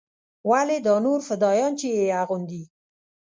ولې دا نور فدايان چې يې اغوندي.